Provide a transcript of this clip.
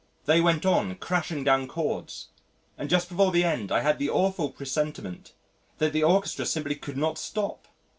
They went on crashing down chords, and just before the end I had the awful presentiment that the orchestra simply could not stop.